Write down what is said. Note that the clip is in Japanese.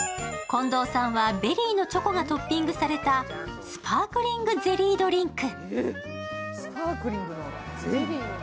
近藤さんはベリーのチョコがトッピングされたスパークリングゼリードリンク。